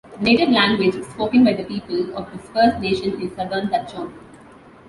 The native language spoken by the people of this First Nation is Southern Tutchone.